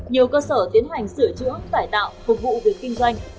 nhiều cơ sở tiến hành sửa chữa cải tạo phục vụ việc kinh doanh